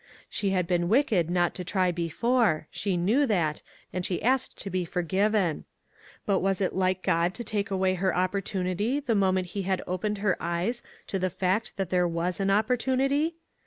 She had been wicked not to try before ; she saw that, and she asked to be forgiven. But was it like God to take away her opportunity the moment he had opened her eyes to the fact that there was an opportunity